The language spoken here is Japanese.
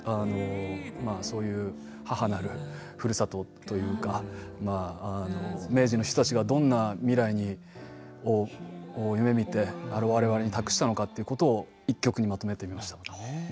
そういう母なるふるさとというか明治の人たちがどんな未来を夢みてわれわれに託したのかということを１曲にまとめてみました。